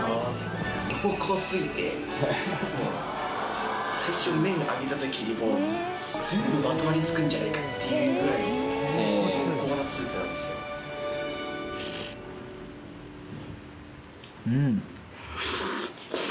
濃厚すぎて最初麺上げた時にもう全部まとわりつくんじゃないかっていうぐらい濃厚スープなんですようん！